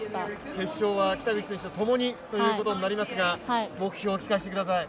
決勝は北口選手とともにということになりますが目標を聞かせてください。